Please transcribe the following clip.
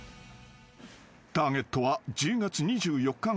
［ターゲットは１０月２４日が誕生日］